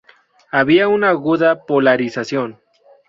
Había una aguda polarización.